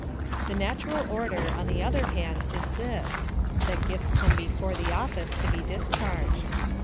The natural order, on the other hand, is this — that gifts come before the office to be discharged.